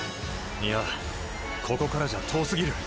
いやここからじゃ遠過ぎる。